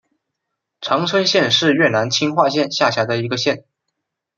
常春县是越南清化省下辖的一个县。